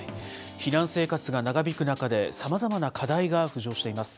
避難生活が長引く中で、さまざまな課題が浮上しています。